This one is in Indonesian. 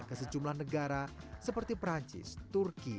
ke sejumlah negara seperti perancis turki